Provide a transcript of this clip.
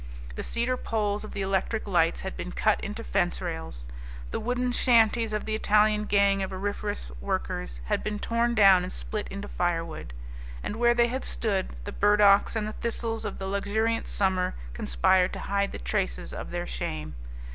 The cedar poles of the electric lights had been cut into fence rails; the wooden shanties of the Italian gang of Auriferous workers had been torn down and split into fire wood; and where they had stood, the burdocks and the thistles of the luxuriant summer conspired to hide the traces of their shame.